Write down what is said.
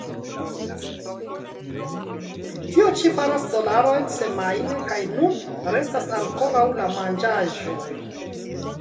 Tio ĉi faras dolarojn semajne, kaj nun restas ankoraŭ la manĝaĵoj.